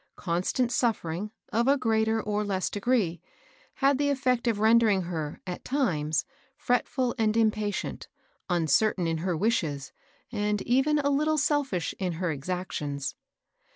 Constant suffering, of a greater or less degree, had the effect of rendering her, at times, fretful and impatient, uncertain in her wishes, and even a httle selfish in her exactions.